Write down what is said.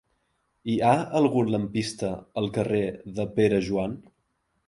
Hi ha algun lampista al carrer de Pere Joan?